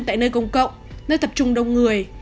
tại nơi công cộng nơi tập trung đông người